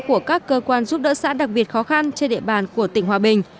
của các cơ quan giúp đỡ xã đặc biệt khó khăn trên địa bàn của tỉnh hòa bình